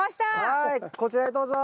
はいこちらへどうぞ。